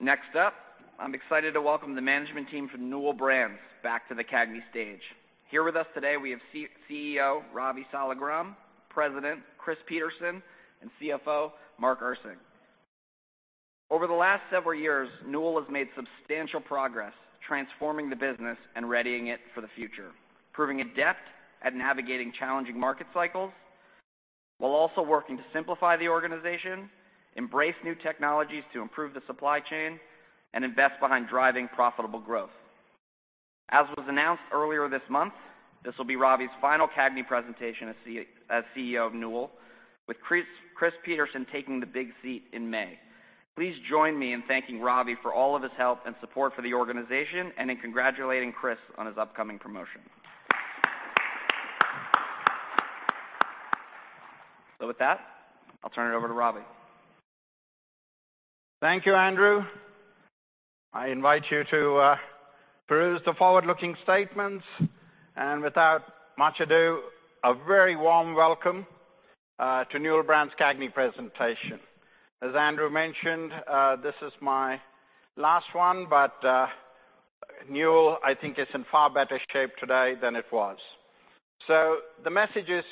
Next up, I'm excited to welcome the management team from Newell Brands back to the CAGNY stage. Here with us today, we have CEO, Ravi Saligram, President, Chris Peterson, and CFO, Mark Erceg. Over the last several years, Newell has made substantial progress transforming the business and readying it for the future, proving adept at navigating challenging market cycles while also working to simplify the organization, embrace new technologies to improve the supply chain, and invest behind driving profitable growth. As was announced earlier this month, this will be Ravi's final CAGNY presentation as CEO of Newell, with Chris Peterson taking the big seat in May. Please join me in thanking Ravi for all of his help and support for the organization and in congratulating Chris on his upcoming promotion. With that, I'll turn it over to Ravi. Thank you, Andrew. I invite you to peruse the forward-looking statements. Without much ado, a very warm welcome to Newell Brands CAGNY presentation. As Andrew mentioned, this is my last one, but Newell, I think, is in far better shape today than it was. The messages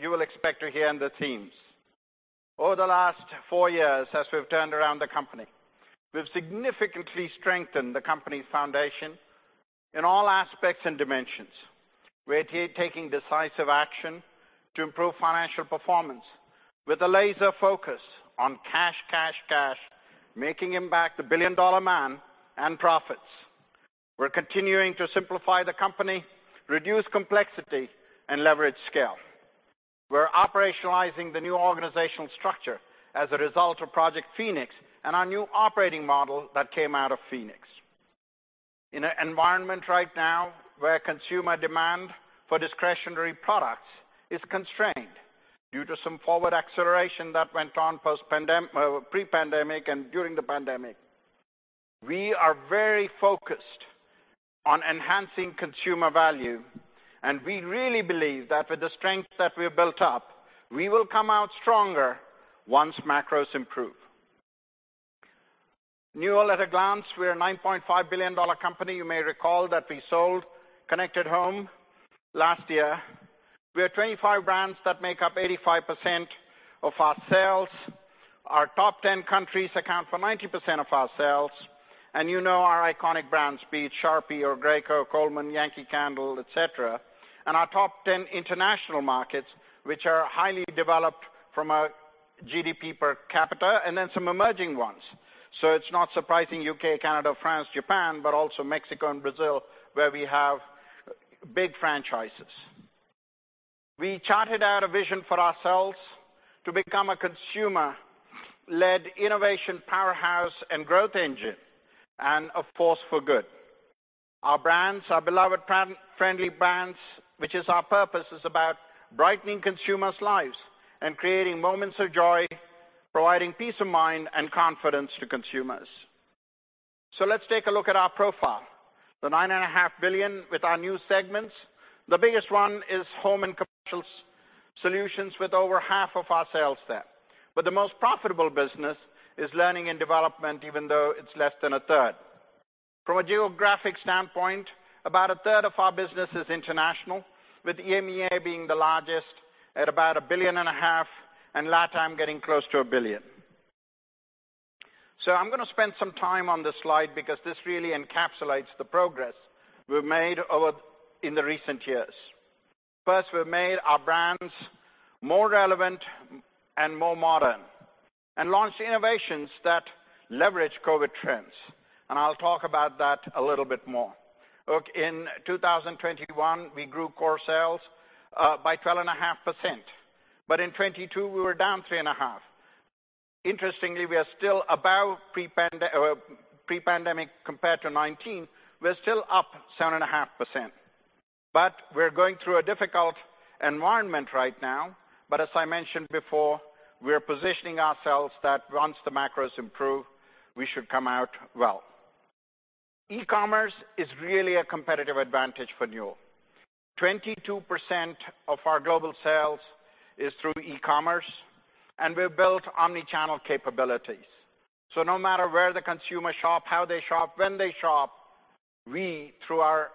you will expect to hear and the themes. Over the last four years, as we've turned around the company, we've significantly strengthened the company's foundation in all aspects and dimensions. We are taking decisive action to improve financial performance with a laser focus on cash, cash, making him back the billion-dollar man and profits. We're continuing to simplify the company, reduce complexity, and leverage scale. We are operationalizing the new organizational structure as a result of Project Phoenix and our new operating model that came out of Phoenix. In an environment right now where consumer demand for discretionary products is constrained due to some forward acceleration that went on post pre-pandemic and during the pandemic, we are very focused on enhancing consumer value. We really believe that with the strengths that we have built up, we will come out stronger once macros improve. Newell at a glance, we're a $9.5 billion company. You may recall that we sold Connected Home last year. We have 25 brands that make up 85% of our sales. Our top 10 countries account for 90% of our sales. You know our iconic brands, be it Sharpie or Graco, Coleman, Yankee Candle, et cetera. Our top 10 international markets, which are highly developed from a GDP per capita, and then some emerging ones. It's not surprising UK, Canada, France, Japan, but also Mexico and Brazil, where we have big franchises. We charted out a vision for ourselves to become a consumer-led innovation powerhouse and growth engine, and a force for good. Our brands, our beloved pan-friendly brands, which is our purpose, is about brightening consumers' lives and creating moments of joy, providing peace of mind and confidence to consumers. Let's take a look at our profile. The $9.5 billion with our new segments. The biggest one is Home and Commercial Solutions with over half of our sales there. The most profitable business is Learning and Development, even though it's less than a third. From a geographic standpoint, about a third of our business is international, with EMEA being the largest at about $1.5 billion, and LATAM getting close to $1 billion. I'm going to spend some time on this slide because this really encapsulates the progress we've made in the recent years. First, we have made our brands more relevant and more modern and launched innovations that leverage COVID trends. I'll talk about that a little bit more. In 2021, we grew core sales by 12.5%. In 2022, we were down 3.5%. Interestingly, we are still above pre-pandemic compared to 2019. We're still up 7.5%. We're going through a difficult environment right now. As I mentioned before, we are positioning ourselves that once the macros improve, we should come out well. E-commerce is really a competitive advantage for Newell. 22% of our global sales is through e-commerce, and we've built omni-channel capabilities. No matter where the consumer shop, how they shop, when they shop, we, through our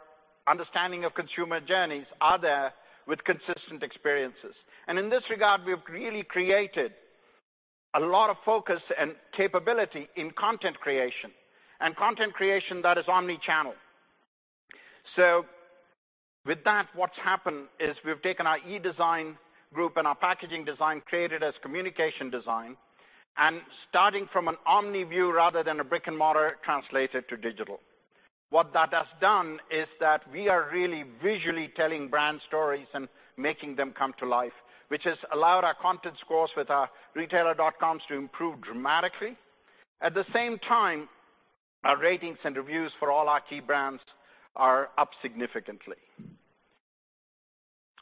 understanding of consumer journeys, are there with consistent experiences. In this regard, we've really created a lot of focus and capability in content creation and content creation that is omni-channel. With that, what's happened is we've taken our e-design group and our packaging design created as communication design, and starting from an omni view rather than a brick-and-mortar translated to digital. What that has done is that we are really visually telling brand stories and making them come to life, which has allowed our content scores with our retailer dot coms to improve dramatically. At the same time, our ratings and reviews for all our key brands are up significantly.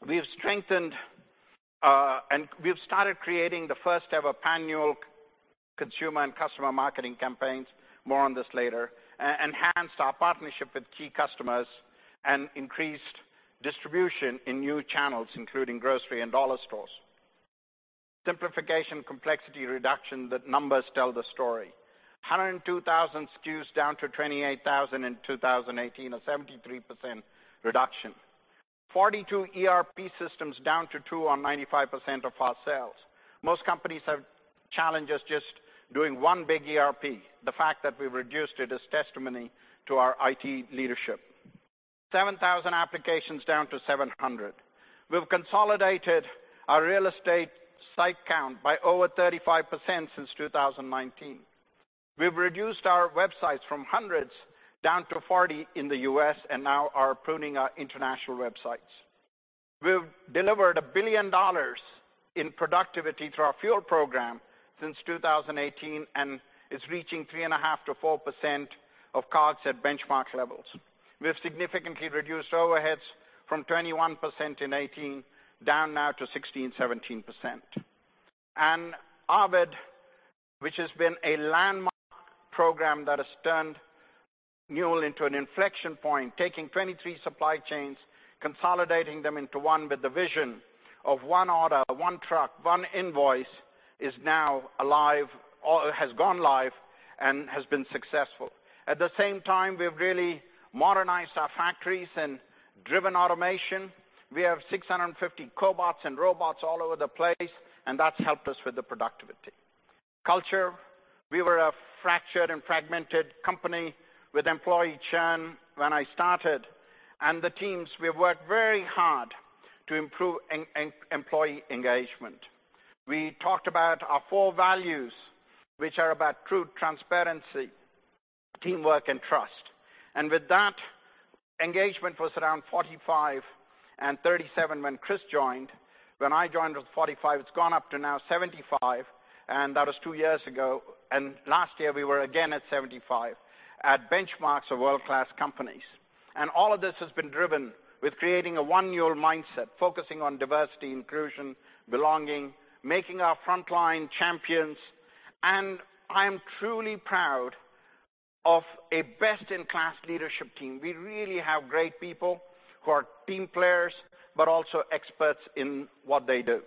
We have strengthened, and we've started creating the first-ever Pan-Newell consumer and customer marketing campaigns, more on this later, enhanced our partnership with key customers and increased distribution in new channels, including grocery and dollar stores. Simplification, complexity reduction, the numbers tell the story. 102,000 SKUs down to 28,000 in 2018, a 73% reduction. 42 ERP systems down to 2 on 95% of our sales. Most companies have challenges just doing one big ERP. The fact that we've reduced it is testimony to our IT leadership. 7,000 applications down to 700. We've consolidated our real estate site count by over 35% since 2019. We've reduced our websites from hundreds down to 40 in the U.S. and now are pruning our international websites. We've delivered $1 billion in productivity through our FUEL program since 2018, and it's reaching 3.5%-4% of cards at benchmark levels. We have significantly reduced overheads from 21% in 2018 down now to 16%-17%. Ovid, which has been a landmark program that has turned Newell into an inflection point, taking 23 supply chains, consolidating them into one with the vision of one order, one truck, one invoice, is now alive or has gone live and has been successful. At the same time, we have really modernized our factories and driven automation. We have 650 cobots and robots all over the place, and that's helped us with the productivity. Culture. We were a fractured and fragmented company with employee churn when I started, and the teams, we worked very hard to improve employee engagement. We talked about our four values, which are about true, transparency, teamwork, and trust. With that, engagement was around 45 and 37 when Chris joined. When I joined, it was 45. It's gone up to now 75, and that was two years ago. Last year we were again at 75 at benchmarks of world-class companies. All of this has been driven with creating a one Newell mindset, focusing on diversity, inclusion, belonging, making our frontline champions. I am truly proud of a best-in-class leadership team. We really have great people who are team players, but also experts in what they do.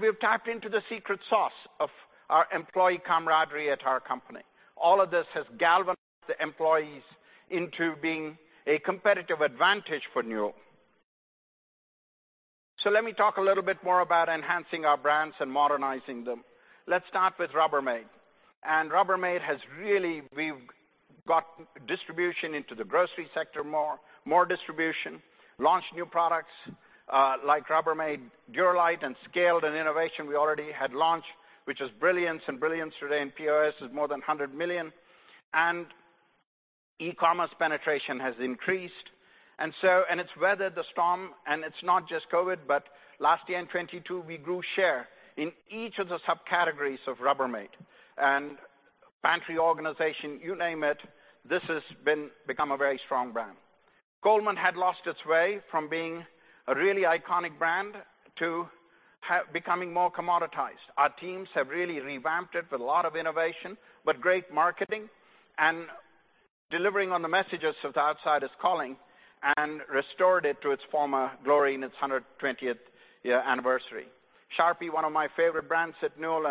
We've tapped into the secret sauce of our employee camaraderie at our company. All of this has galvanized the employees into being a competitive advantage for Newell. Let me talk a little bit more about enhancing our brands and modernizing them. Let's start with Rubbermaid. Rubbermaid has really we've got distribution into the grocery sector more, more distribution, launched new products, like Rubbermaid DuraLite and Scaled and innovation we already had launched, which is Brilliance, and Brilliance today in POS is more than $100 million. E-commerce penetration has increased. It's weathered the storm, and it's not just COVID, but last year in 2022, we grew share in each of the subcategories of Rubbermaid. Pantry organization, you name it, this has been become a very strong brand. Coleman had lost its way from being a really iconic brand to becoming more commoditized. Our teams have really revamped it with a lot of innovation, but great marketing and delivering on the messages of the outsider's calling and restored it to its former glory in its 120th year anniversary. Sharpie, one of my favorite brands at Newell,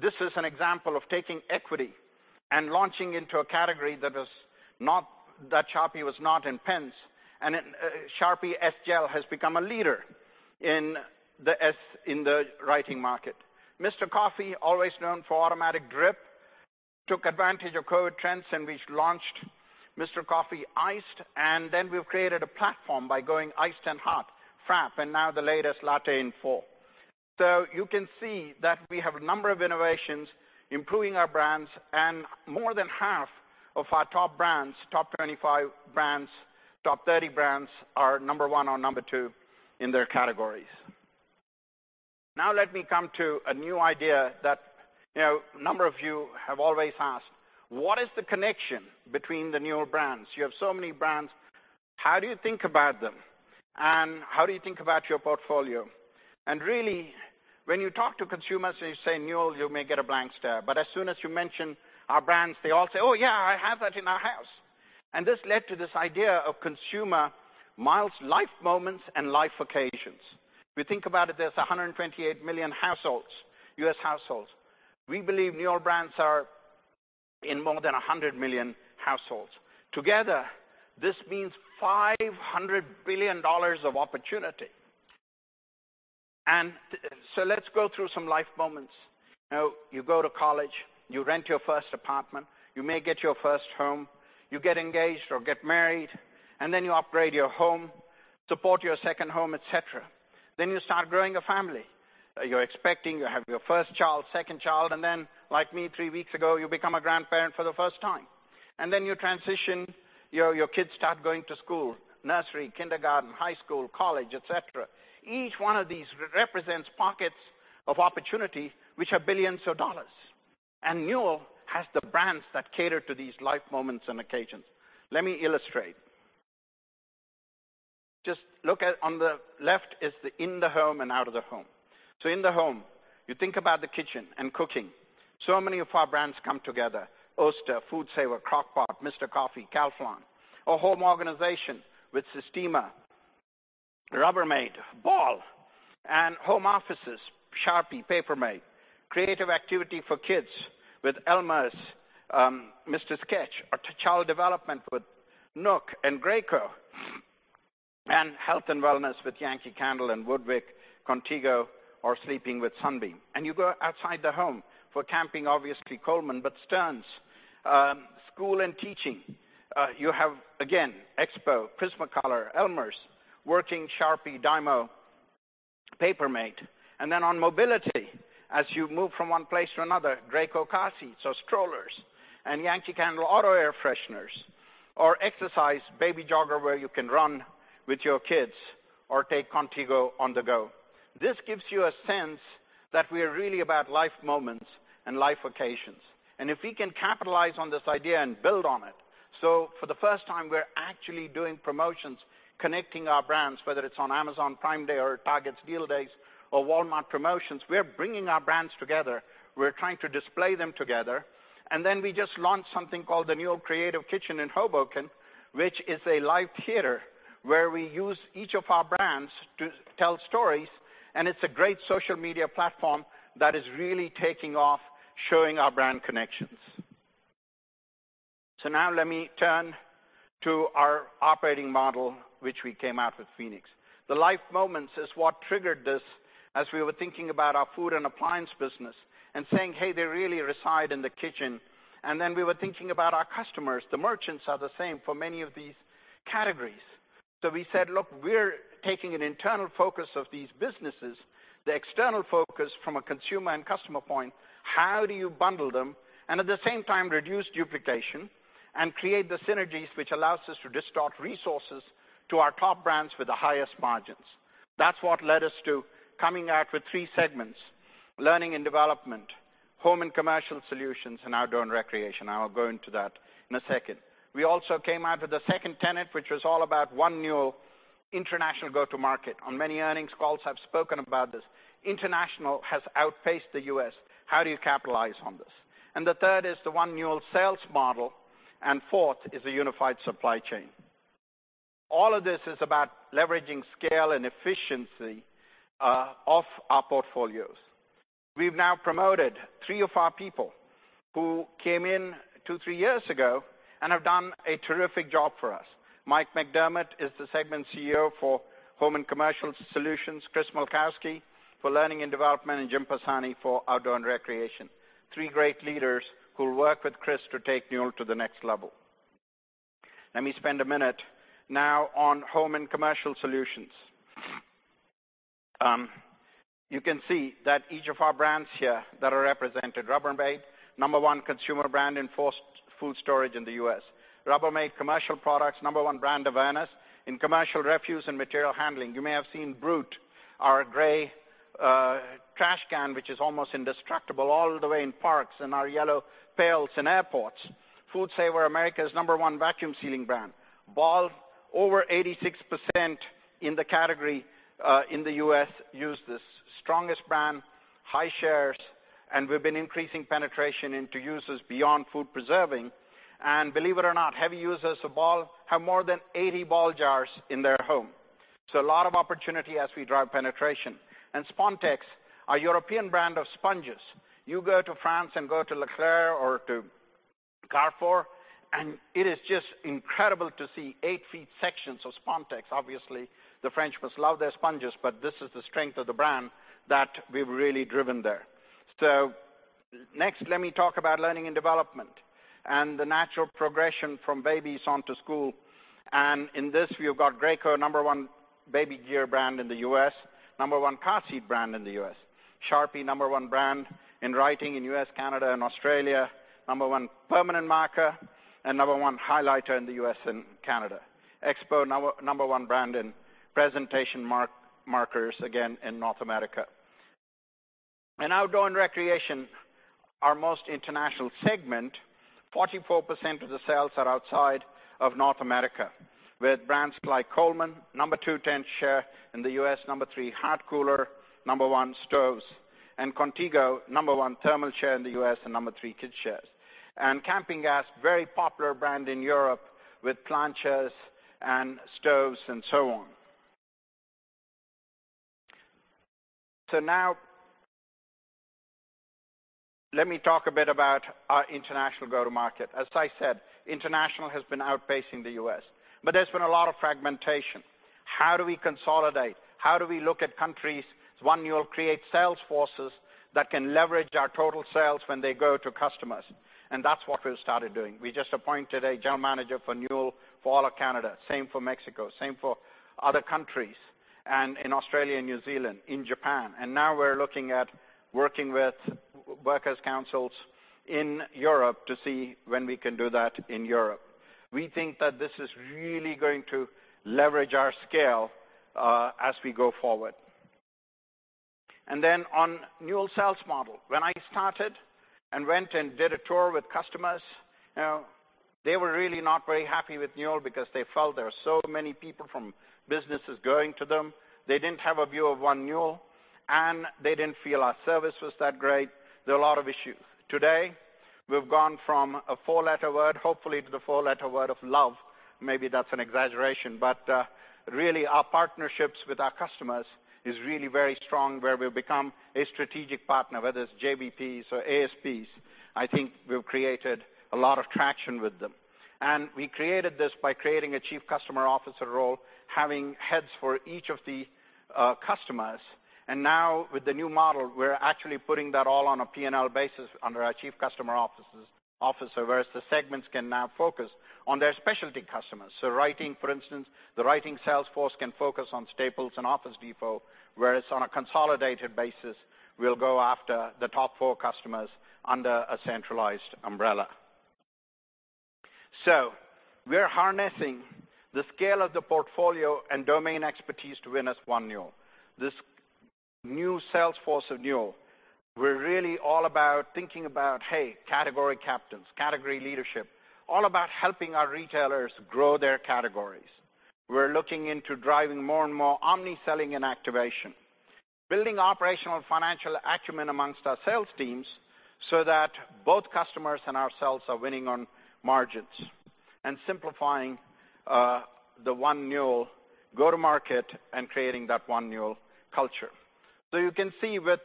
this is an example of taking equity and launching into a category that is not, that Sharpie was not in pens, and it, Sharpie S-Gel has become a leader in the writing market. Mr. Coffee, always known for automatic drip, took advantage of COVID trends, and we launched Mr. Coffee Iced, and then we've created a platform by going iced and hot, frappe, and now the latest latte in fall. You can see that we have a number of innovations improving our brands, and more than half of our top brands, top 25 brands, top 30 brands are number one or number two in their categories. Let me come to a new idea that, you know, a number of you have always asked, "What is the connection between the Newell Brands? You have so many brands, how do you think about them, and how do you think about your portfolio?" Really, when you talk to consumers and you say, "Newell," you may get a blank stare, but as soon as you mention our brands, they all say, "Oh yeah, I have that in our house." This led to this idea of consumer miles life moments and life occasions. If you think about it, there's 128 million U.S. households. We believe Newell Brands are in more than 100 million households. Together, this means $500 billion of opportunity. Let's go through some life moments. You know, you go to college, you rent your first apartment, you may get your first home, you get engaged or get married, and then you upgrade your home, support your second home, et cetera. You start growing a family. You're expecting, you have your first child, second child. Like me, three weeks ago, you become a grandparent for the first time. You transition, you know, your kids start going to school, nursery, kindergarten, high school, college, et cetera. Each one of these represents pockets of opportunity, which are billions of dollars. Newell has the brands that cater to these life moments and occasions. Let me illustrate. Just look at on the left is the in the home and out of the home. So in the home, you think about the kitchen and cooking. So many of our brands come together: Oster, FoodSaver, Crock-Pot, Mr. Coffee, Calphalon. Or home organization with Sistema, Rubbermaid, Ball. And home offices, Sharpie, Paper Mate. Creative activity for kids with Elmer's, Mr. Sketch or to child development with NUK and Graco. Health and wellness with Yankee Candle and WoodWick, Contigo or sleeping with Sunbeam. You go outside the home for camping, obviously Coleman, but Stearns. School and teaching, you have again, EXPO, Prismacolor, Elmer's, working Sharpie, DYMO, Paper Mate. Then on mobility, as you move from one place to another, Graco car seats or strollers, and Yankee Candle auto air fresheners or exercise Baby Jogger, where you can run with your kids or take Contigo on the go. This gives you a sense that we're really about life moments and life occasions. If we can capitalize on this idea and build on it, so for the first time, we're actually doing promotions connecting our brands, whether it's on Amazon Prime Day or Target's Deal Days or Walmart promotions, we're bringing our brands together. We are trying to display them together. We just launched something called the Newell Creative Kitchen in Hoboken, which is a live theater where we use each of our brands to tell stories, and it's a great social media platform that is really taking off, showing our brand connections. Let me turn to our operating model, which we came out with Phoenix. The life moments is what triggered this as we were thinking about our food and appliance business and saying, "Hey, they really reside in the kitchen." We were thinking about our customers. The merchants are the same for many of these categories. We said, "Look, we're taking an internal focus of these businesses, the external focus from a consumer and customer point, how do you bundle them, and at the same time, reduce duplication and create the synergies which allows us to distort resources to our top brands with the highest margins?" That's what led us to coming out with three segments: Learning and Development, Home and Commercial Solutions, and Outdoor and Recreation. I'll go into that in a second. We also came out with a second tenet, which was all about one Newell International go-to market. On many earnings calls, I've spoken about this. International has outpaced the U.S. How do you capitalize on this? The third is the one Newell sales model, and fourth is the unified supply chain. All of this is about leveraging scale and efficiency of our portfolios. We've now promoted three of our people who came in two, three years ago and have done a terrific job for us. Mike McDermott is the Segment CEO for Home and Commercial Solutions, Kris Malkoski for Learning and Development, and Jim Pisani for Outdoor and Recreation. Three great leaders who work with Chris to take Newell to the next level. Let me spend a minute now on Home and Commercial Solutions. You can see that each of our brands here that are represented, Rubbermaid, number one consumer brand in food storage in the U.S. Rubbermaid Commercial Products, number one brand awareness in commercial refuse and material handling. You may have seen Root, our gray trash can, which is almost indestructible all the way in parks and our yellow pails in airports. FoodSaver, America's number one vacuum sealing brand. Ball, over 86% in the category, in the U.S., use this. Strongest brand, high shares, we've been increasing penetration into users beyond food preserving. Believe it or not, heavy users of Ball have more than 80 Ball jars in their home. A lot of opportunity as we drive penetration. Spontex, our European brand of sponges. You go to France and go to Leclerc or to Carrefour, and it is just incredible to see eight-feet sections of Spontex. Obviously, the French must love their sponges, this is the strength of the brand that we've really driven there. Next, let me talk about Learning and Development and the natural progression from babies onto school. In this, we've got Graco, number one baby gear brand in the U.S., number one car seat brand in the U.S. Sharpie, number one brand in writing in U.S., Canada, and Australia, number one permanent marker and number one highlighter in the U.S. and Canada. Expo, number one brand in presentation markers, again, in North America. In Outdoor and Recreation, our most international segment, 44% of the sales are outside of North America, with brands like Coleman, number two tent share in the U.S., number three hard cooler, number 1 stoves. Contigo, number one thermal share in the U.S. and number three kid shares. Campingaz, very popular brand in Europe with planchas and stoves and so on. Now, let me talk a bit about our international go-to market. As I said, international has been outpacing the U.S., but there's been a lot of fragmentation. How do we consolidate? How do we look at countries as one Newell create sales forces that can leverage our total sales when they go to customers? That's what we started doing. We just appointed a general manager for Newell for all of Canada, same for Mexico, same for other countries, and in Australia and New Zealand, in Japan. Now we're looking at working with workers' councils in Europe to see when we can do that in Europe. We think that this is really going to leverage our scale, as we go forward. Then on Newell sales model, when I started and went and did a tour with customers, you know. They were really not very happy with Newell because they felt there were so many people from businesses going to them. They didn't have a view of One Newell, and they didn't feel our service was that great. There were a lot of issues. Today, we've gone from a four-letter word, hopefully, to the four-letter word of love. Maybe that's an exaggeration, but really, our partnerships with our customers is really very strong, where we've become a strategic partner, whether it's JBPs or ASPs. I think we've created a lot of traction with them. We created this by creating a chief customer officer role, having heads for each of the customers. Now, with the new model, we're actually putting that all on a P&L basis under our chief customer officer. Whereas the segments can now focus on their specialty customers. Writing, for instance, the writing sales force can focus on Staples and Office Depot, whereas on a consolidated basis, we'll go after the top four customers under a centralized umbrella. We're harnessing the scale of the portfolio and domain expertise to win as One Newell. This new sales force of Newell, we're really all about thinking about, hey, category captains, category leadership, all about helping our retailers grow their categories. We're looking into driving more and more omni-selling and activation, building operational financial acumen amongst our sales teams so that both customers and ourselves are winning on margins and simplifying the One Newell go-to-market and creating that One Newell culture. You can see with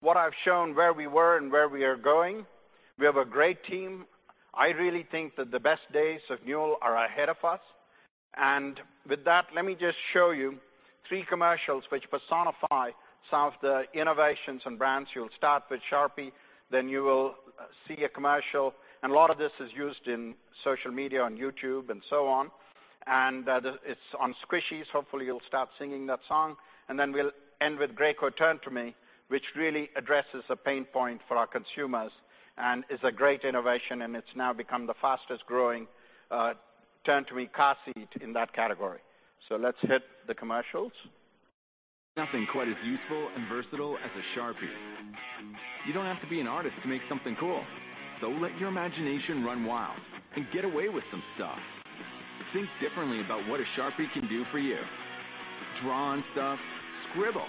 what I've shown, where we were and where we are going. We have a great team. I really think that the best days of Newell are ahead of us. With that, let me just show you three commercials which personify some of the innovations and brands. You'll start with Sharpie, then you will see a commercial. A lot of this is used in social media, on YouTube, and so on. It's on Squishies. Hopefully, you'll start singing that song. We'll end with Graco Turn2Me, which really addresses a pain point for our consumers and is a great innovation, and it's now become the fastest-growing Turn2Me car seat in that category. Let's hit the commercials. Nothing quite as useful and versatile as a Sharpie. You don't have to be an artist to make something cool. Let your imagination run wild and get away with some stuff. Think differently about what a Sharpie can do for you. Draw on stuff, scribble.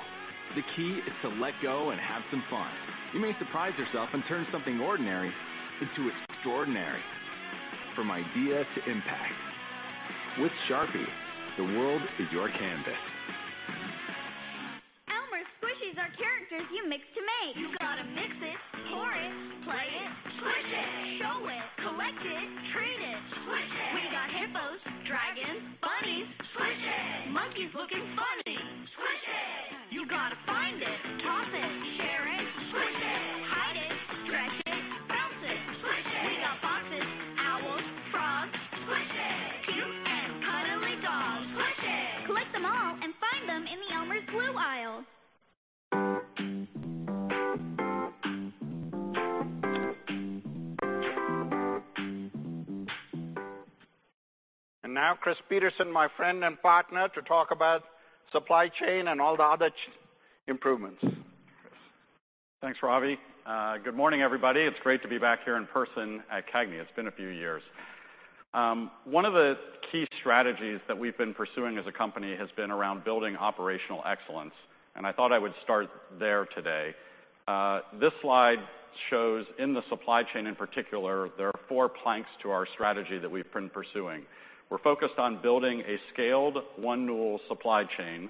The key is to let go and have some fun. You may surprise yourself and turn something ordinary into extraordinary. From idea to impact. With Sharpie, the world is your canvas. Elmer's Squishies are characters you mix to make. You've got to mix it, pour it, play it. Squish it. Show it, collect it, trade it. Squish it. We got hippos, dragons, bunnies. Squish it. Monkeys looking funny. Squish it. You gotta find it, toss it, share it. Squish it. Hide it, stretch it, bounce it. Squish it. We got foxes, owls, frogs. Squish it. Cute and cuddly dogs. Squish it. Collect them all and find them in the Elmer's glue aisle. Now Chris Peterson, my friend and partner, to talk about supply chain and all the other improvements. Chris. Thanks, Ravi. Good morning, everybody. It's great to be back here in person at CAGNY. It's been a few years. One of the key strategies that we've been pursuing as a company has been around building operational excellence, and I thought I would start there today. This slide shows in the supply chain, in particular, there are four planks to our strategy that we've been pursuing. We're focused on building a scaled One Newell supply chain.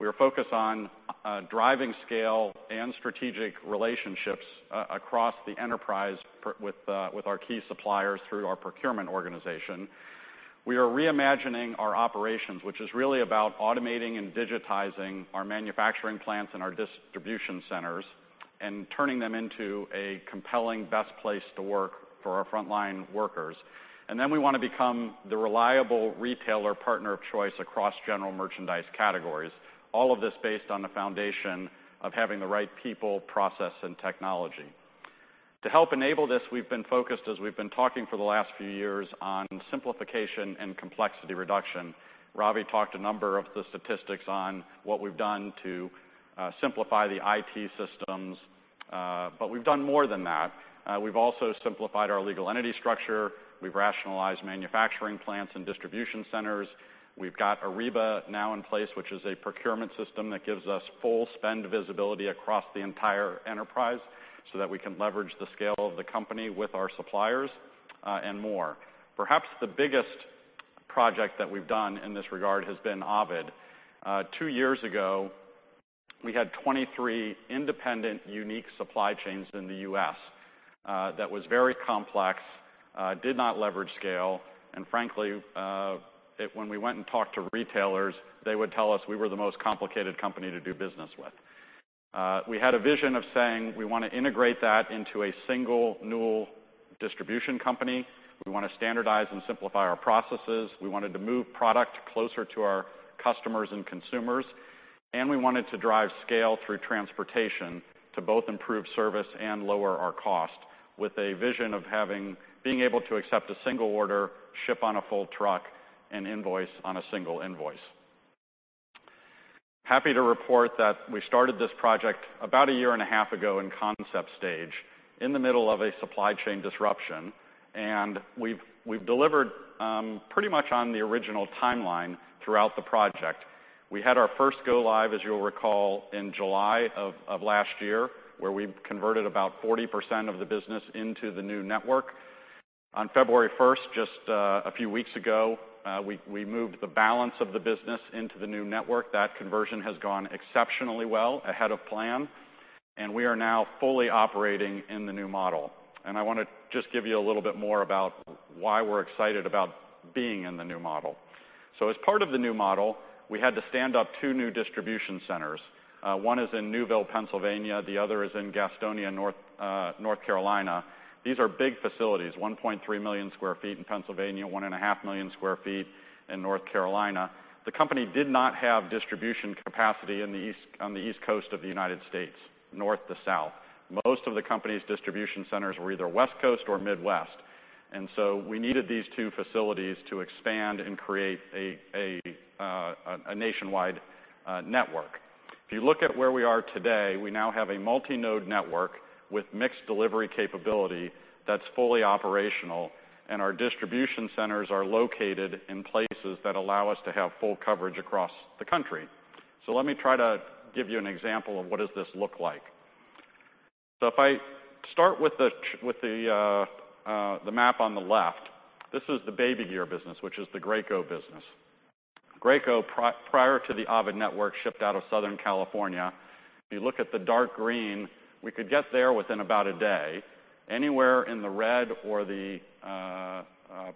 We are focused on driving scale and strategic relationships across the enterprise with our key suppliers through our procurement organization. We are reimagining our operations, which is really about automating and digitizing our manufacturing plants and our distribution centers and turning them into a compelling best place to work for our frontline workers. We wanna become the reliable retailer partner of choice across general merchandise categories, all of this based on the foundation of having the right people, process, and technology. To help enable this, we've been focused, as we've been talking for the last few years, on simplification and complexity reduction. Ravi talked a number of the statistics on what we've done to simplify the IT systems, but we've done more than that. We've also simplified our legal entity structure. We've rationalized manufacturing plants and distribution centers. We've got Ariba now in place, which is a procurement system that gives us full spend visibility across the entire enterprise, so that we can leverage the scale of the company with our suppliers, and more. Perhaps the biggest project that we've done in this regard has been COVID. Two years ago, we had 23 independent, unique supply chains in the US, that was very complex, did not leverage scale, and frankly, when we went and talked to retailers, they would tell us we were the most complicated company to do business with. We had a vision of saying, "We wanna integrate that into a single Newell Distribution Company. We wanna standardize and simplify our processes. We wanted to move product closer to our customers and consumers, and we wanted to drive scale through transportation to both improve service and lower our cost with a vision of being able to accept a single order, ship on a full truck, and invoice on a single invoice. Happy to report that we started this project about a year and a half ago in concept stage in the middle of a supply chain disruption, and we've delivered pretty much on the original timeline throughout the project. We had our first go-live, as you'll recall, in July of last year, where we converted about 40% of the business into the new network. On February 1st, just a few weeks ago, we moved the balance of the business into the new network. That conversion has gone exceptionally well ahead of plan, and we are now fully operating in the new model. I want to just give you a little bit more about why we're excited about being in the new model. As part of the new model, we had to stand up two new distribution centers. One is in Newville, Pennsylvania, the other is in Gastonia, North Carolina. These are big facilities, 1.3 million sq ft in Pennsylvania, 1.5 million sq ft in North Carolina. The company did not have distribution capacity on the East Coast of the United States, north to south. Most of the company's distribution centers were either West Coast or Midwest. We needed these two facilities to expand and create a nationwide network. If you look at where we are today, we now have a multi-node network with mixed delivery capability that's fully operational, our distribution centers are located in places that allow us to have full coverage across the country. Let me try to give you an example of what does this look like. If I start with the map on the left, this is the baby gear business, which is the Graco business. Graco, prior to the AVID network, shipped out of Southern California. If you look at the dark green, we could get there within about a day. Anywhere in the red or the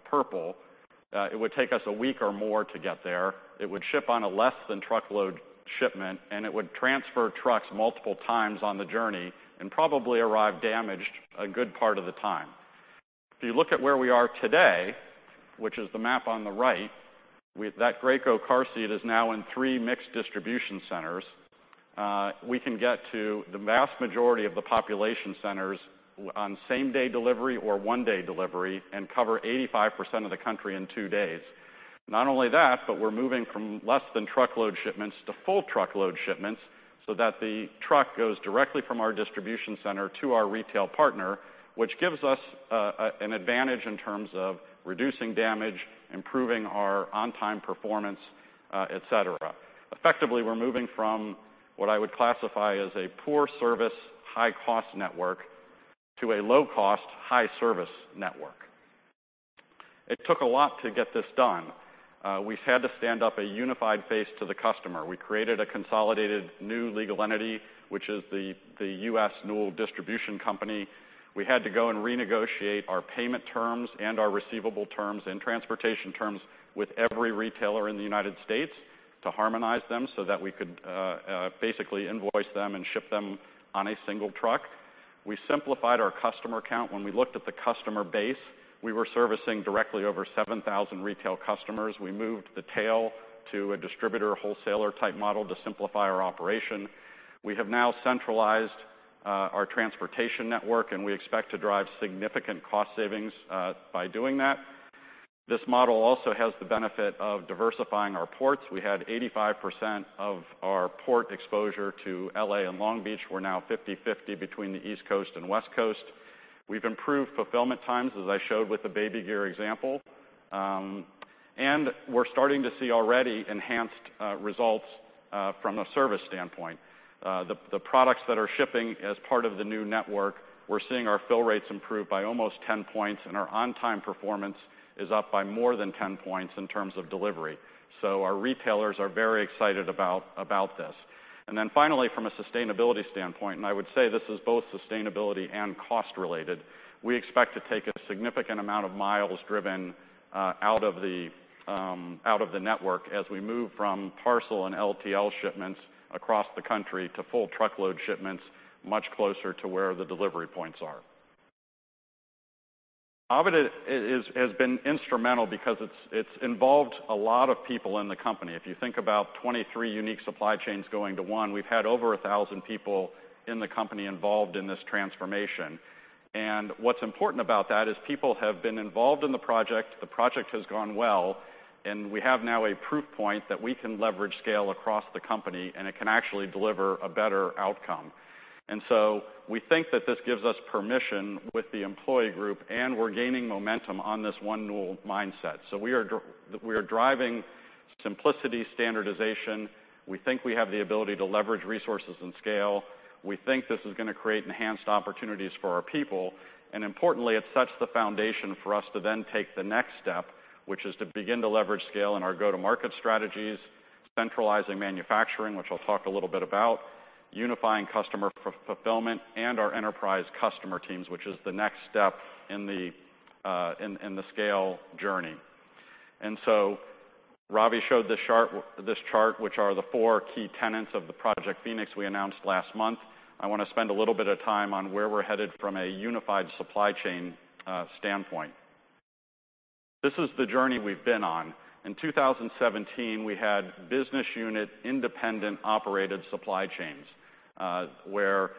purple, it would take us a week or more to get there. It would ship on a less than truckload shipment, it would transfer trucks multiple times on the journey and probably arrive damaged a good part of the time. If you look at where we are today, which is the map on the right, That Graco car seat is now in three mixed distribution centers. We can get to the vast majority of the population centers on same-day delivery or one-day delivery and cover 85% of the country in two days. Not only that, we're moving from less than truckload shipments to full truckload shipments so that the truck goes directly from our distribution center to our retail partner, which gives us an advantage in terms of reducing damage, improving our on-time performance, et cetera. Effectively, we're moving from what I would classify as a poor service, high-cost network to a low-cost, high-service network. It took a lot to get this done. We had to stand up a unified face to the customer. We created a consolidated new legal entity, which is the US Newell Distribution Company. We had to go and renegotiate our payment terms and our receivable terms and transportation terms with every retailer in the United States to harmonize them so that we could basically invoice them and ship them on a single truck. We simplified our customer count. When we looked at the customer base, we were servicing directly over 7,000 retail customers. We moved the tail to a distributor wholesaler type model to simplify our operation. We have now centralized our transportation network. We expect to drive significant cost savings by doing that. This model also has the benefit of diversifying our ports. We had 85% of our port exposure to L.A. and Long Beach. We're now 50/50 between the East Coast and West Coast. We've improved fulfillment times, as I showed with the baby gear example. We're starting to see already enhanced results from a service standpoint. The products that are shipping as part of the new network, we're seeing our fill rates improve by almost 10 points, our on-time performance is up by more than 10 points in terms of delivery. Our retailers are very excited about this. Finally, from a sustainability standpoint, and I would say this is both sustainability and cost related, we expect to take a significant amount of miles driven out of the network as we move from parcel and LTL shipments across the country to full truckload shipments much closer to where the delivery points are. AVID has been instrumental because it's involved a lot of people in the company. If you think about 23 unique supply chains going to 1, we've had over 1,000 people in the company involved in this transformation. What's important about that is people have been involved in the project, the project has gone well, and we have now a proof point that we can leverage scale across the company, and it can actually deliver a better outcome. We think that this gives us permission with the employee group, and we're gaining momentum on this one Newell mindset. We are driving simplicity, standardization. We think we have the ability to leverage resources and scale. We think this is gonna create enhanced opportunities for our people. Importantly, it sets the foundation for us to then take the next step, which is to begin to leverage scale in our go-to-market strategies, centralizing manufacturing, which I'll talk a little bit about, unifying customer fulfillment and our enterprise customer teams, which is the next step in the scale journey. Ravi showed this chart, which are the four key tenants of the Project Phoenix we announced last month. I wanna spend a little bit of time on where we're headed from a unified supply chain standpoint. This is the journey we've been on. In 2017, we had business unit independent operated supply chains. Where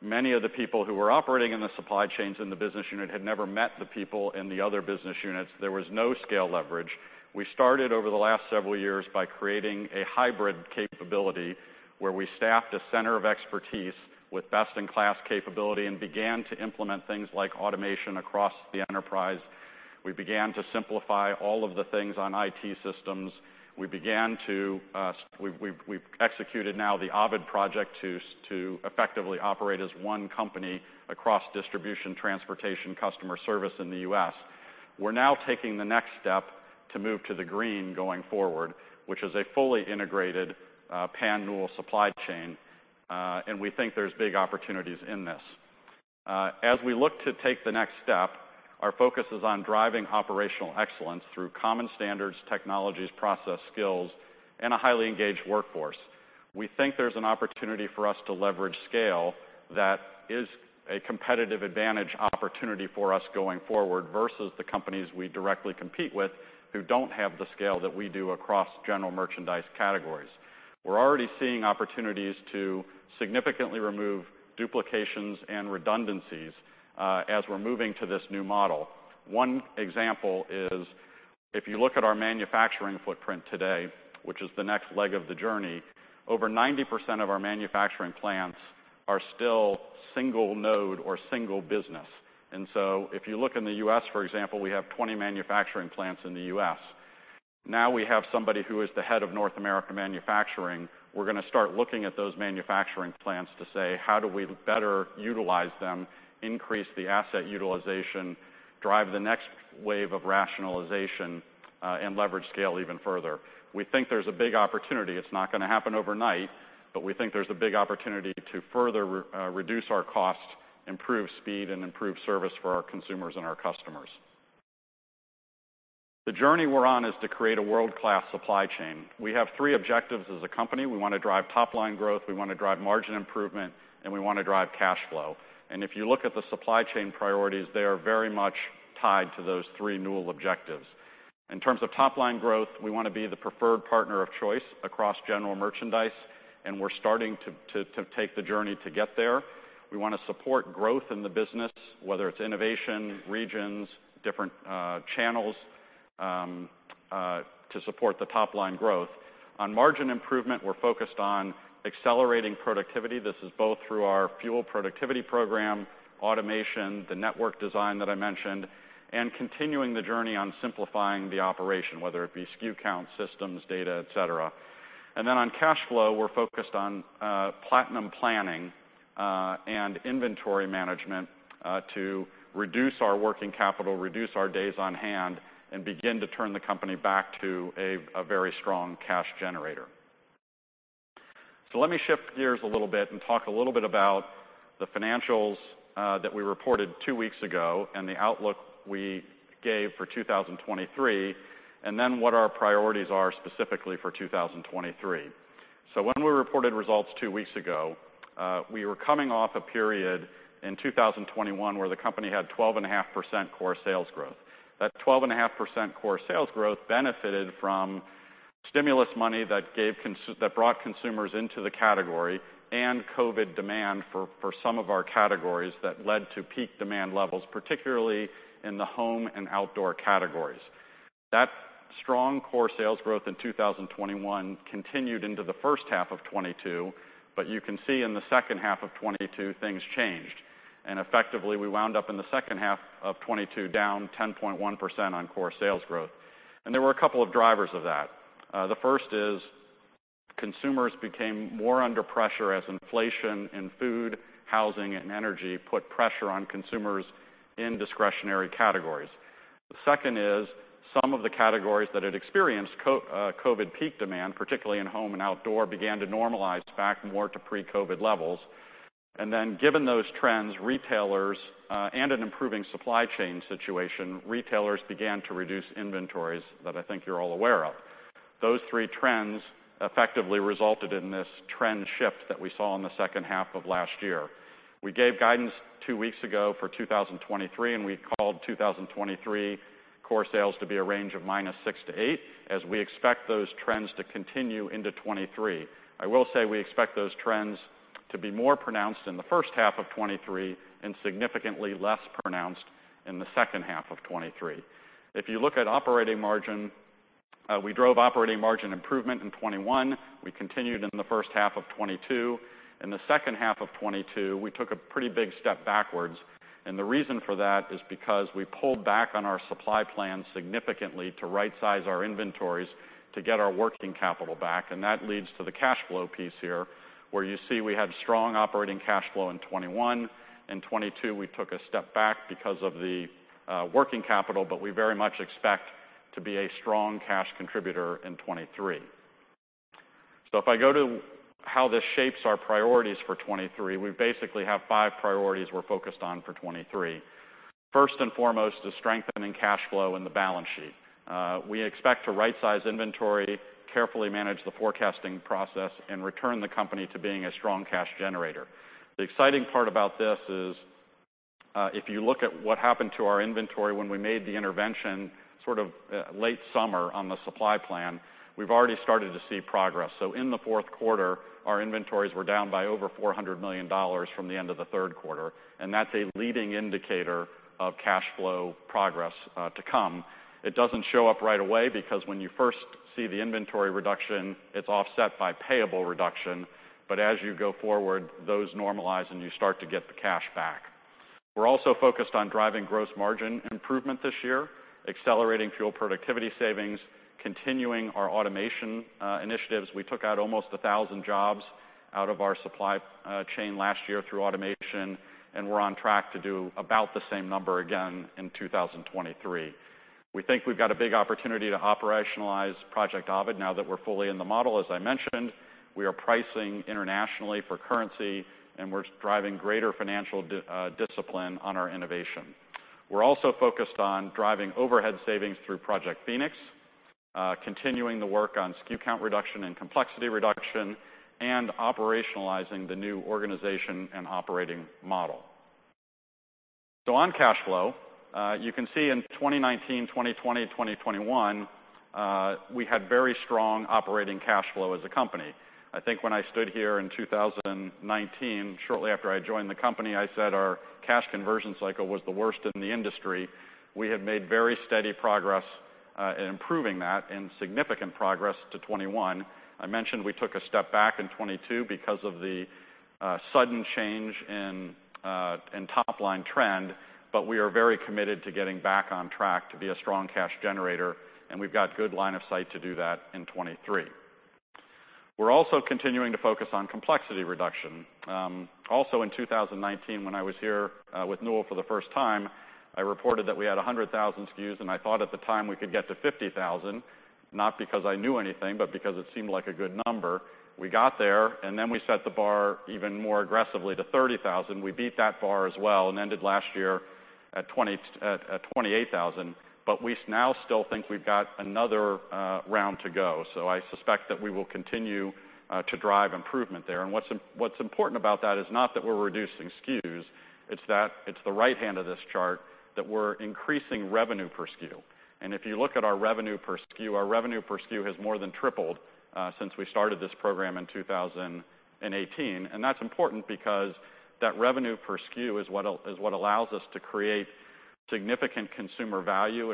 many of the people who were operating in the supply chains in the business unit had never met the people in the other business units. There was no scale leverage. We started over the last several years by creating a hybrid capability where we staffed a center of expertise with best-in-class capability and began to implement things like automation across the enterprise. We began to simplify all of the things on IT systems. We've executed now Project Ovid to effectively operate as one company across distribution, transportation, customer service in the U.S. We're now taking the next step to move to the green going forward, which is a fully integrated, pan-Newell supply chain. We think there's big opportunities in this. As we look to take the next step, our focus is on driving operational excellence through common standards, technologies, process skills, and a highly engaged workforce. We think there's an opportunity for us to leverage scale that is a competitive advantage opportunity for us going forward versus the companies we directly compete with who don't have the scale that we do across general merchandise categories. We're already seeing opportunities to significantly remove duplications and redundancies as we're moving to this new model. One example is if you look at our manufacturing footprint today, which is the next leg of the journey, over 90% of our manufacturing plants are still single node or single business. If you look in the U.S., for example, we have 20 manufacturing plants in the U.S. Now we have somebody who is the head of North America manufacturing. We're gonna start looking at those manufacturing plants to say, how do we better utilize them, increase the asset utilization, drive the next wave of rationalization, and leverage scale even further. We think there's a big opportunity. It's not gonna happen overnight, but we think there's a big opportunity to further reduce our cost, improve speed, and improve service for our consumers and our customers. The journey we're on is to create a world-class supply chain. We have three objectives as a company. We wanna drive top-line growth, we wanna drive margin improvement, and we wanna drive cash flow. If you look at the supply chain priorities, they are very much tied to those 3 Newell objectives. In terms of top-line growth, we wanna be the preferred partner of choice across general merchandise, and we're starting to take the journey to get there. We wanna support growth in the business, whether it's innovation, regions, different channels, to support the top-line growth. On margin improvement, we're focused on accelerating productivity. This is both through our FUEL productivity program, automation, the network design that I mentioned, and continuing the journey on simplifying the operation, whether it be SKU count, systems, data, et cetera. On cash flow, we're focused on platinum planning and inventory management to reduce our working capital, reduce our days on hand, and begin to turn the company back to a very strong cash generator. Let me shift gears a little bit and talk a little bit about the financials that we reported two weeks ago and the outlook we gave for 2023, what our priorities are specifically for 2023. When we reported results two weeks ago, we were coming off a period in 2021 where the company had 12.5% core sales growth. That 12.5% core sales growth benefited from stimulus money that brought consumers into the category and COVID demand for some of our categories that led to peak demand levels, particularly in the home and outdoor categories. That strong core sales growth in 2021 continued into the first half of 2022, you can see in the second half of 2022, things changed. Effectively, we wound up in the second half of 2022 down 10.1% on core sales growth. There were a couple of drivers of that. The first is consumers became more under pressure as inflation in food, housing, and energy put pressure on consumers in discretionary categories. The second is some of the categories that had experienced COVID peak demand, particularly in home and outdoor, began to normalize back more to pre-COVID levels. Given those trends, retailers, and an improving supply chain situation, retailers began to reduce inventories that I think you're all aware of. Those three trends effectively resulted in this trend shift that we saw in the second half of last year. We gave guidance two weeks ago for 2023, and we called 2023 core sales to be a range of -6% to -8%, as we expect those trends to continue into 2023. I will say we expect those trends to be more pronounced in the first half of 2023 and significantly less pronounced in the second half of 2023. If you look at operating margin, we drove operating margin improvement in 2021. We continued in the first half of 2022. In the second half of 2022, we took a pretty big step backwards. The reason for that is because we pulled back on our supply plan significantly to right-size our inventories to get our working capital back. That leads to the cash flow piece here, where you see we had strong operating cash flow in 2021. In 2022, we took a step back because of the working capital, but we very much expect to be a strong cash contributor in 2023. If I go to how this shapes our priorities for 2023, we basically have five priorities we're focused on for 2023. First and foremost is strengthening cash flow in the balance sheet. We expect to right-size inventory, carefully manage the forecasting process, and return the company to being a strong cash generator. The exciting part about this is. If you look at what happened to our inventory when we made the intervention sort of late summer on the supply plan, we've already started to see progress. In the fourth quarter, our inventories were down by over $400 million from the end of the third quarter, and that's a leading indicator of cash flow progress to come. It doesn't show up right away because when you first see the inventory reduction, it's offset by payable reduction. As you go forward, those normalize and you start to get the cash back. We're also focused on driving gross margin improvement this year, accelerating FUEL productivity savings, continuing our automation initiatives. We took out almost 1,000 jobs out of our supply chain last year through automation, and we're on track to do about the same number again in 2023. We think we've got a big opportunity to operationalize Project Ovid now that we're fully in the model. As I mentioned, we are pricing internationally for currency, and we're driving greater financial discipline on our innovation. We're also focused on driving overhead savings through Project Phoenix, continuing the work on SKU count reduction and complexity reduction, and operationalizing the new organization and operating model. On cash flow, you can see in 2019, 2020, and 2021, we had very strong operating cash flow as a company. I think when I stood here in 2019, shortly after I joined the company, I said our cash conversion cycle was the worst in the industry. We have made very steady progress in improving that and significant progress to 2021. I mentioned we took a step back in 2022 because of the sudden change in top line trend, but we are very committed to getting back on track to be a strong cash generator, and we've got good line of sight to do that in 2023. We're also continuing to focus on complexity reduction. Also in 2019 when I was here with Newell for the first time, I reported that we had 100,000 SKUs, and I thought at the time we could get to 50,000, not because I knew anything, but because it seemed like a good number. We got there. Then we set the bar even more aggressively to 30,000. We beat that bar as well and ended last year at 28,000. We now still think we've got another round to go. I suspect that we will continue to drive improvement there. What's, what's important about that is not that we're reducing SKUs, it's that it's the right hand of this chart that we're increasing revenue per SKU. If you look at our revenue per SKU, our revenue per SKU has more than tripled since we started this program in 2018. That's important because that revenue per SKU is what allows us to create significant consumer value.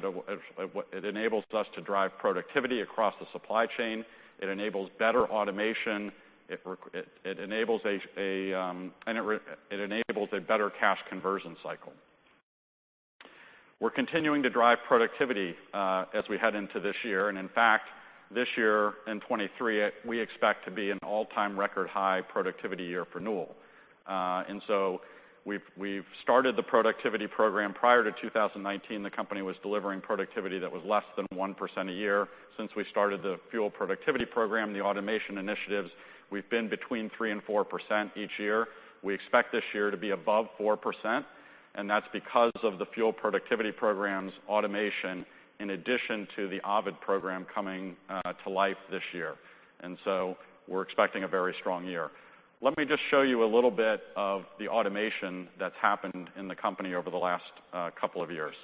It enables us to drive productivity across the supply chain. It enables better automation. It enables a, and it enables a better cash conversion cycle. We're continuing to drive productivity as we head into this year, and in fact, this year in 23, we expect to be an all-time record high productivity year for Newell. So we've started the productivity program. Prior to 2019, the company was delivering productivity that was less than 1% a year. Since we started the FUEL productivity program, the automation initiatives, we've been between 3% and 4% each year. We expect this year to be above 4%, and that's because of the FUEL productivity program's automation in addition to the Ovid program coming to life this year. We're expecting a very strong year. Let me just show you a little bit of the automation that's happened in the company over the last couple of years.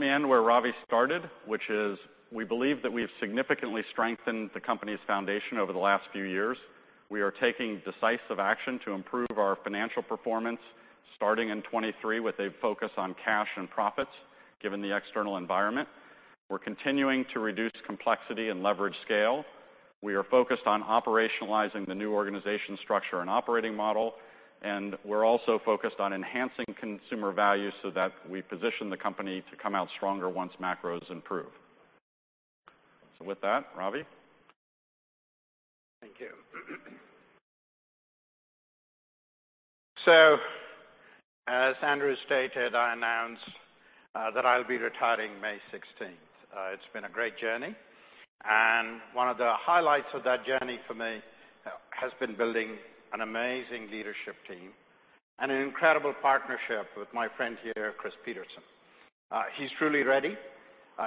Let me end where Ravi started, which is we believe that we have significantly strengthened the company's foundation over the last few years. We are taking decisive action to improve our financial performance starting in 2023 with a focus on cash and profits, given the external environment. We're continuing to reduce complexity and leverage scale. We are focused on operationalizing the new organization structure and operating model, we're also focused on enhancing consumer value so that we position the company to come out stronger once macros improve. With that, Ravi? Thank you. As Andrew stated, I announced that I'll be retiring May 16th. It's been a great journey, and one of the highlights of that journey for me, has been building an amazing leadership team and an incredible partnership with my friend here, Chris Peterson. He's truly ready.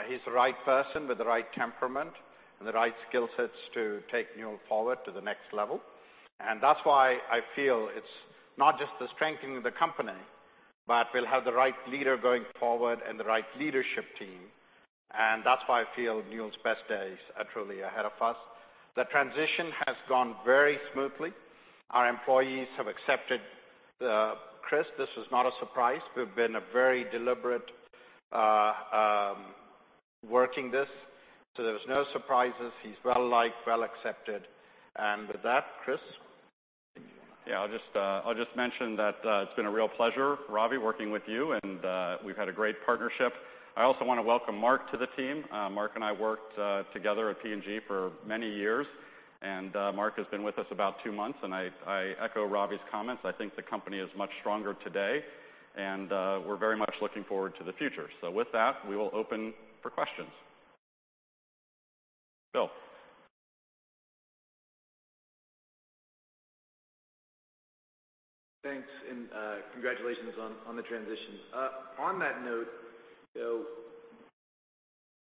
He's the right person with the right temperament and the right skill sets to take Newell forward to the next level. That's why I feel it's not just the strengthening of the company, but we'll have the right leader going forward and the right leadership team, and that's why I feel Newell's best days are truly ahead of us. The transition has gone very smoothly. Our employees have accepted, Chris. We've been a very deliberate, Working this so there's no surprises. He's well-liked, well-accepted. With that, Chris? Yeah, I'll just mention that it's been a real pleasure, Ravi, working with you, and we've had a great partnership. I also want to welcome Mark to the team. Mark and I worked together at P&G for many years, and Mark has been with us about two months, and I echo Ravi's comments. I think the company is much stronger today, and we're very much looking forward to the future. With that, we will open for questions. Bill. Thanks. Congratulations on the transition. On that note,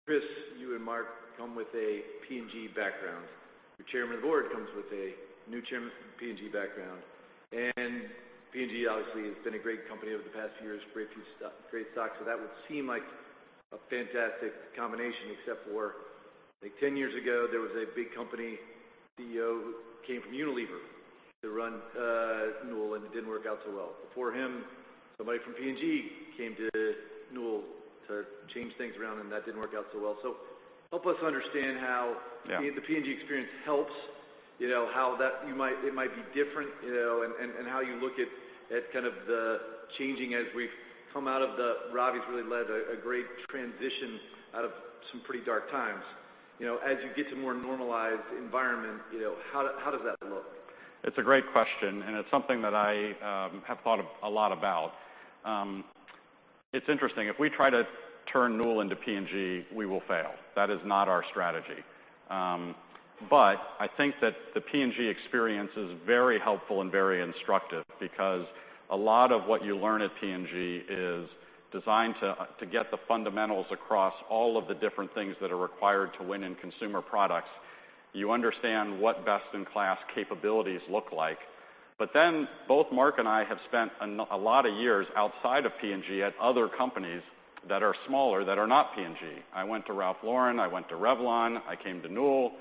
Chris, you and Mark come with a P&G background. Your chairman of the board comes with a new chairman P&G background. P&G, obviously, has been a great company over the past few years, great piece of stuff, great stock. That would seem like a fantastic combination except for like 10 years ago, there was a big company CEO who came from Unilever to run Newell, and it didn't work out so well. Before him, somebody from P&G came to Newell to change things around, and that didn't work out so well. Help us understand how- Yeah. the P&G experience helps, you know, how it might be different, you know, and how you look at kind of the changing. Ravi's really led a great transition out of some pretty dark times. You know, as you get to more normalized environment, you know, how does that look? It's a great question, and it's something that I have thought a lot about. It's interesting. If we try to turn Newell into P&G, we will fail. That is not our strategy. I think that the P&G experience is very helpful and very instructive because a lot of what you learn at P&G is designed to get the fundamentals across all of the different things that are required to win in consumer products. You understand what best-in-class capabilities look like. Both Mark and I have spent a lot of years outside of P&G at other companies that are smaller, that are not P&G. I went to Ralph Lauren, I went to Revlon, I came to Newell.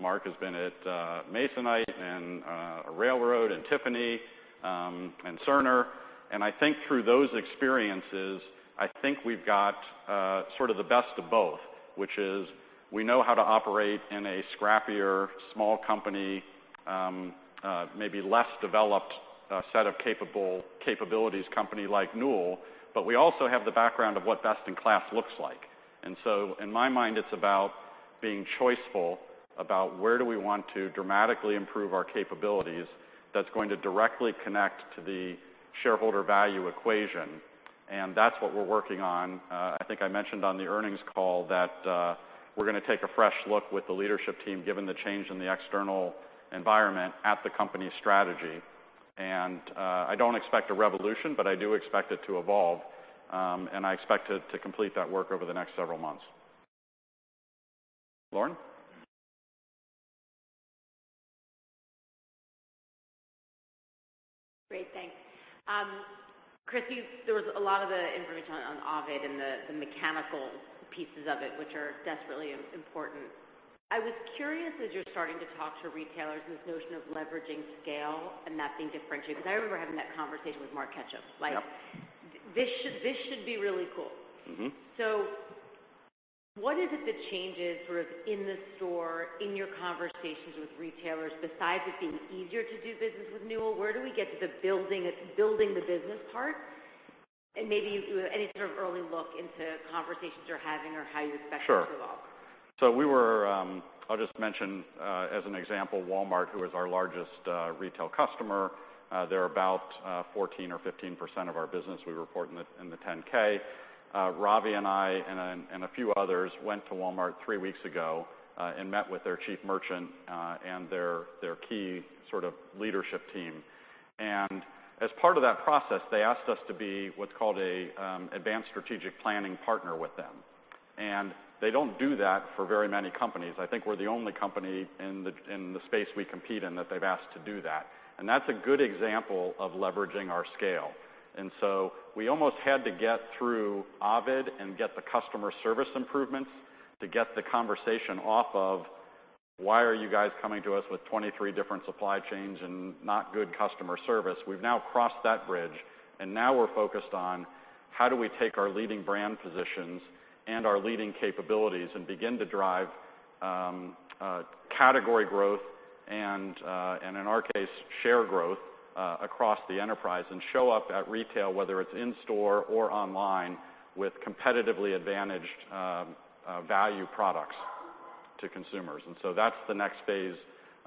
Mark has been at Masonite and a railroad and Tiffany and Cerner. I think through those experiences, I think we've got sort of the best of both, which is we know how to operate in a scrappier, small company, maybe less developed set of capabilities company like Newell, but we also have the background of what best in class looks like. In my mind, it's about being choiceful about where do we want to dramatically improve our capabilities that's going to directly connect to the shareholder value equation. That's what we're working on. I think I mentioned on the earnings call that we're gonna take a fresh look with the leadership team, given the change in the external environment at the company strategy. I don't expect a revolution, but I do expect it to evolve, and I expect to complete that work over the next several months. Lauren? Great. Thanks. Chris, there was a lot of the information on Ovid and the mechanical pieces of it which are desperately important. I was curious, as you're starting to talk to retailers, this notion of leveraging scale and that being differentiated, 'cause I remember having that conversation with Mark Ketchum. Yep. Like, this should be really cool. Mm-hmm. What is it that changes sort of in the store, in your conversations with retailers besides it being easier to do business with Newell? Where do we get to the building the business part? Maybe any sort of early look into conversations you're having or how you expect it to evolve. Sure. We were, I'll just mention, as an example, Walmart, who is our largest retail customer, they're about 14% or 15% of our business, we report in the 10-K. Ravi and I and a few others went to Walmart three weeks ago and met with their Chief Merchant and their key sort of leadership team. As part of that process, they asked us to be what's called a advanced strategic planning partner with them. They don't do that for very many companies. I think we're the only company in the space we compete in that they've asked to do that. That's a good example of leveraging our scale. We almost had to get through Ovid and get the customer service improvements to get the conversation off of, "Why are you guys coming to us with 23 different supply chains and not good customer service?" We've now crossed that bridge, and now we're focused on how do we take our leading brand positions and our leading capabilities and begin to drive category growth and in our case, share growth across the enterprise and show up at retail, whether it's in store or online, with competitively advantaged value products to consumers. That's the next phase,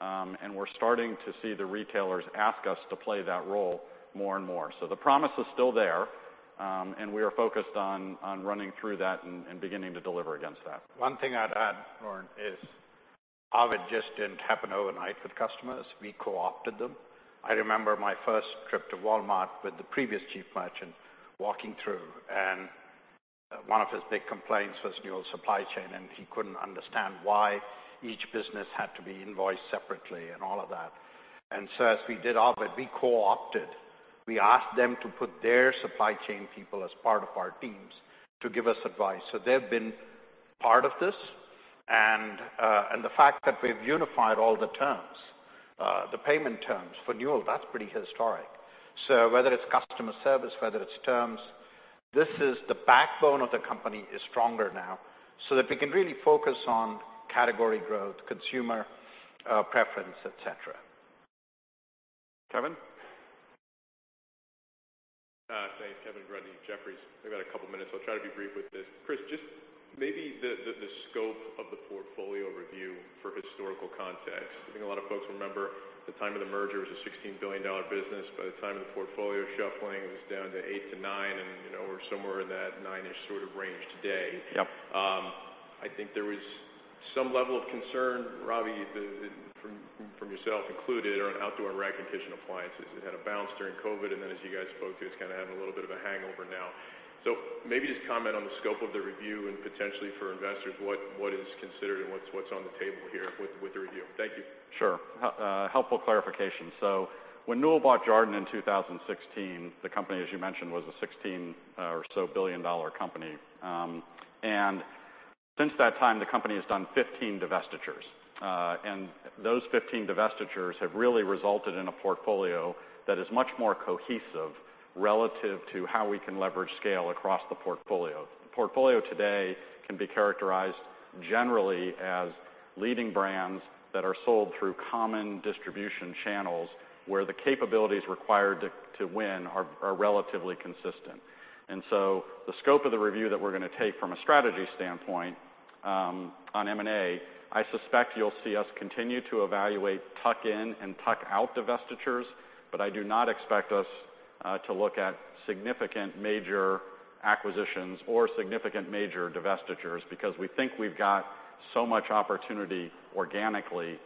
and we're starting to see the retailers ask us to play that role more and more. The promise is still there, and we are focused on running through that and beginning to deliver against that. One thing I'd add, Lauren, is Ovid just didn't happen overnight with customers. We co-opted them. I remember my first trip to Walmart with the previous chief merchant walking through, and one of his big complaints was Newell's supply chain, and he couldn't understand why each business had to be invoiced separately and all of that. As we did Ovid, we co-opted. We asked them to put their supply chain people as part of our teams to give us advice. They've been part of this. And the fact that we've unified all the terms, the payment terms for Newell, that's pretty historic. Whether it's customer service, whether it's terms, this is the backbone of the company is stronger now so that we can really focus on category growth, consumer, preference, et cetera. Kevin? Thanks. Kevin Grundy, Jefferies. We've got a couple minutes, I'll try to be brief with this. Chris, just maybe the scope of the portfolio review for historical context. I think a lot of folks remember the time of the merger, it was a $16 billion business. By the time of the portfolio shuffling, it was down to $8 billion-$9 billion and, you know, we're somewhere in that $9 billion-ish sort of range today. Yep. I think there was some level of concern, Ravi, from yourself included, around Outdoor Recreation appliances. It had a bounce during COVID and then as you guys spoke to, it's kind of having a little bit of a hangover now. Maybe just comment on the scope of the review and potentially for investors, what is considered and what's on the table here with the review. Thank you. Sure. helpful clarification. When Newell Brands bought Jarden in 2016, the company, as you mentioned, was a $16 billion company. Since that time, the company has done 15 divestitures. Those 15 divestitures have really resulted in a portfolio that is much more cohesive relative to how we can leverage scale across the portfolio. The portfolio today can be characterized generally as leading brands that are sold through common distribution channels, where the capabilities required to win are relatively consistent. The scope of the review that we're gonna take from a strategy standpoint, on M&A, I suspect you'll see us continue to evaluate tuck-in and tuck-out divestitures, but I do not expect us to look at significant major acquisitions or significant major divestitures, because we think we've got so much opportunity organically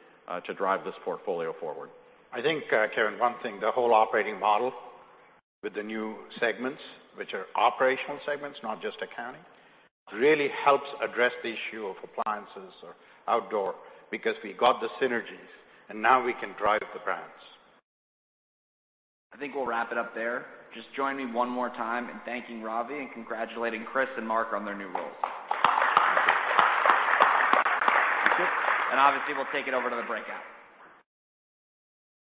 to drive this portfolio forward. I think, Kevin, one thing, the whole operating model with the new segments, which are operational segments, not just accounting, really helps address the issue of appliances or Outdoor because we got the synergies. Now we can drive the brands. I think we'll wrap it up there. Just join me one more time in thanking Ravi and congratulating Chris and Mark on their new roles. Obviously, we'll take it over to the breakout.